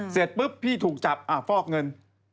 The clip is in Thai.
เสร็จปุ๊บพี่ถูกจับฟอกเงิน